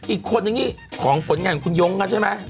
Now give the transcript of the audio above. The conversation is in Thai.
อีกคนอย่างนี้ของผลงานของคุณย้งนะใช่ไหม